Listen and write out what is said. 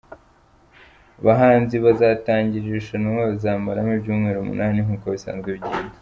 Abahanzi bazatangira iri rushanwa bazamaramo ibyumweru umunani nk’uko biswanzwe bigenda.